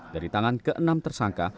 dari tangan ke enam tersangka